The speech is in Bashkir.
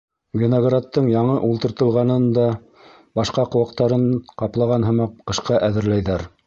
Виноградтың яңы ултыртылғанын да башҡа ҡыуаҡтарын ҡаплаған һымаҡ ҡышҡа әҙерләйҙәр.